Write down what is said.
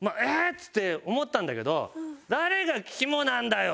っつって思ったんだけど「誰がキモなんだよ！」っつって。